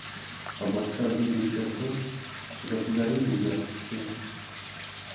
Обласкав бедную сироту, государыня ее отпустила.